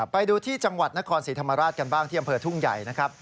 ไปดูที่จังหวัดนครศรีธรรมราชกันบ้างที่อำเภอทุ่งใหญ่นะครับ